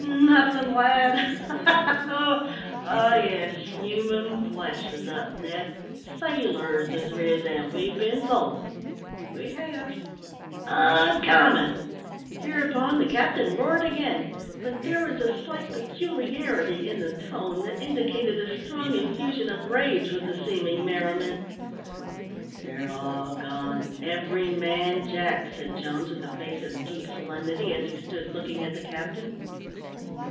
"Nothin', lad, ha! ha! Oh yes, human flesh is up, Ned; sailors is riz, an' we've been sold; we have uncommon!" Hereupon the captain roared again; but there was a slight peculiarity in the tone, that indicated a strong infusion of rage with the seeming merriment. "They're all gone every man, Jack," said Jones, with a face of deep solemnity, as he stood looking at the captain.